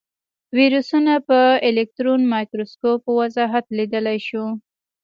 ویروسونه په الکترون مایکروسکوپ په وضاحت لیدلی شو.